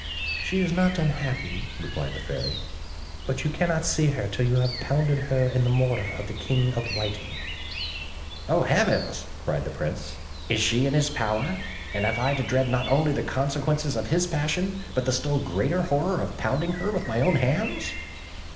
"She is not unhappy," replied the Fairy: "but you cannot see her till you have pounded her in the mortar of the King of the Whiting." "Oh! heavens!" cried the Prince; "is she in his power; and have I to dread not only the consequences of his passion, but the still greater horror of pounding her with my own hands?"